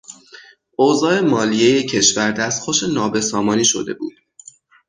اوضاع مالیهی کشور دستخوش نابسامانی شده بود.